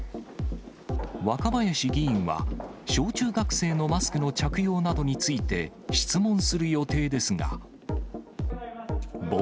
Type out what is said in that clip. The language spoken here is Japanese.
若林議員は、小中学生のマスクの着用などについて、質問する予定ですが。